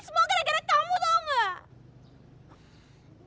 semoga gara gara kamu tahu nggak